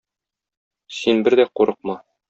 Син бер дә курыкма.